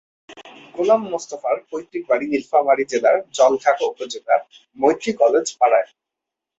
গোলাম মোস্তফার পৈতৃক বাড়ি নীলফামারী জেলার জলঢাকা উপজেলার মৈত্রী কলেজ পাড়ায়।